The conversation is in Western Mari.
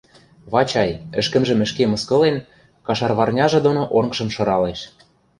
Вачай, ӹшкӹмжӹм ӹшке мыскылен, кашарварняжы доно онгжым шыралеш: